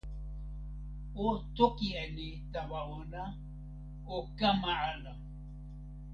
o toki e ni tawa ona: o kama ala.